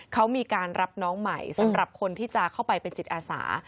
เขามีการรับน้องใหม่สำหรับคนที่จะเข้าไปเป็นจิตอาสา